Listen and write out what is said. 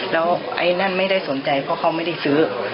แล้วไอ้นั่นไม่ได้สนใจเพราะเขาไม่ได้ซื้อ